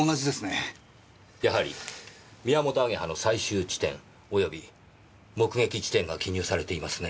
やはりミヤモトアゲハの採集地点及び目撃地点が記入されていますね。